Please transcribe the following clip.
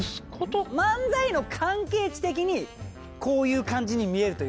漫才の関係値的にこういう感じに見えるというか。